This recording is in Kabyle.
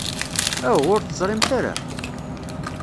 Aw, ur teẓrimt ara?